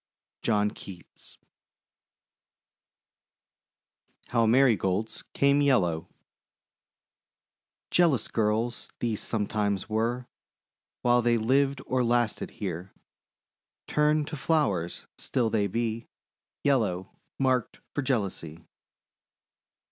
JOHN KEATS HOW MARIGOLDS CAME YELLOW Jealous girls these sometimes were, While they lived or lasted here: Turned to Flowers, still they be Yettow, marked for jealousy.